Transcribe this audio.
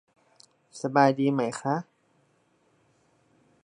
สบายดีไหมค่ะ